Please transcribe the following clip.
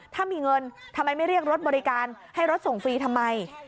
ถ้ามีเงินทำไมไม่เรียกรถบริการให้รถส่งฟรีทำไม